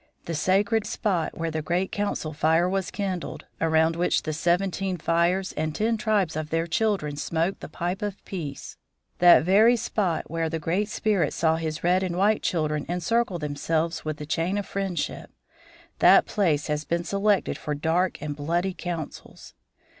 The sacred spot where the great council fire was kindled, around which the Seventeen Fires and ten tribes of their children smoked the pipe of peace that very spot where the Great Spirit saw his red and white children encircle themselves with the chain of friendship that place has been selected for dark and bloody councils.